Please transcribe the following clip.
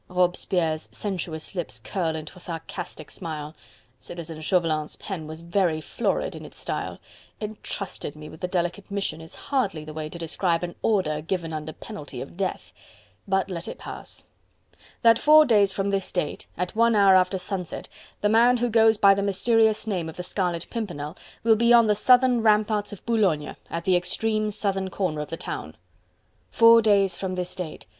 Robespierre's sensuous lips curl into a sarcastic smile. Citizen Chauvelin's pen was ever florid in its style: "entrusted me with the delicate mission," is hardly the way to describe an order given under penalty of death. But let it pass. "... that four days from this date, at one hour after sunset, the man who goes by the mysterious name of the Scarlet Pimpernel will be on the southern ramparts of Boulogne, at the extreme southern corner of the town." "Four days from this date..."